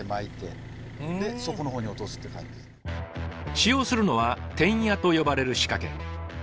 使用するのは「テンヤ」と呼ばれる仕掛け。